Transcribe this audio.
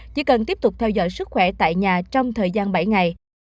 chỉ cần tiếp tục theo dõi sức khỏe tại nhà trong thời gian bảy ngày